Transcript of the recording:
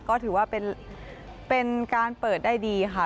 ก็ถือว่าเป็นการเปิดได้ดีค่ะ